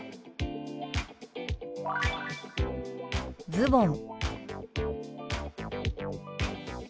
「ズボン」。